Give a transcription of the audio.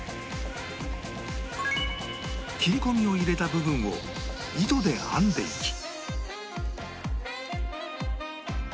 切り込みを入れた部分を糸で編んでいき